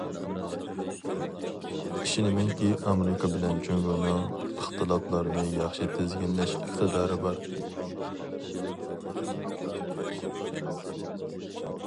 ئىشىنىمەنكى ئامېرىكا بىلەن جۇڭگونىڭ ئىختىلاپلارنى ياخشى تىزگىنلەش ئىقتىدارى بار.